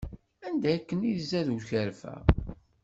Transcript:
Anda akken i izad ukerfa.